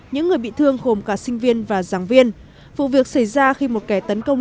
những người bị thương gồm cả sinh viên và giảng viên vụ việc xảy ra khi một kẻ tấn công